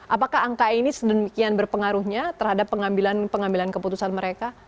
apakah angka ini sedemikian berpengaruhnya terhadap pengambilan keputusan mereka